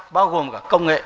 bao gồm cả công nghệ